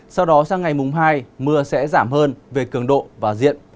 sau đó sang ngày mùng hai mưa sẽ giảm hơn về cường độ và diện